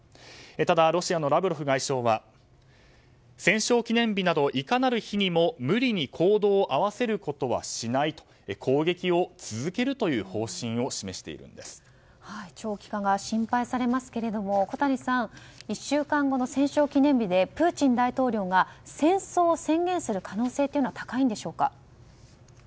ただ、ロシアのラブロフ外相は戦勝記念日などいかなる日にも、無理に行動を合わせることはしないと攻撃を続けるという長期化が心配されますが小谷さん１週間後の戦勝記念日でプーチン大統領が戦争を宣言する可能性というのは高いのでしょうか。